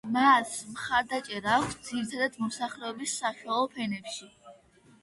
მას მხარდაჭერა აქვს ძირითადად მოსახლეობის საშუალო ფენებში.